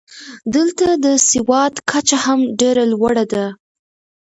دلته د سواد کچه هم ډېره لوړه ده.